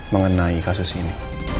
mengenai kasus ini